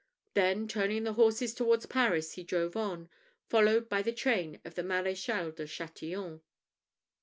Then turning the horses towards Paris, he drove on, followed by the train of the Maréchal de Chatillon.